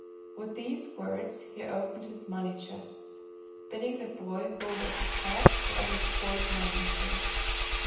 With these words he opened his money chests, bidding the boy hold up his sack while he poured money into it.